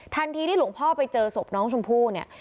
ที่หลวงพ่อไปเจอศพน้องชมพู่เนี่ย